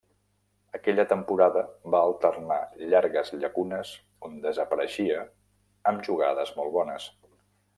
Aquella temporada va alternar llargues llacunes on desapareixia amb jugades molt bones.